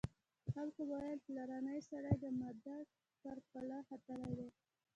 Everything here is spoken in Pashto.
خلکو به ویل پلانی سړی د مامدک پر پله ختلی دی.